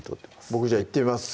僕じゃあいってみます